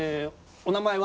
お名前は？